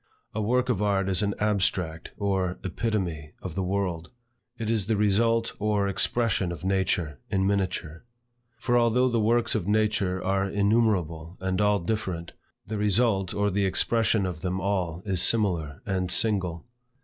A work of art is an abstract or epitome of the world. It is the result or expression of nature, in miniature. For, although the works of nature are innumerable and all different, the result or the expression of them all is similar and single.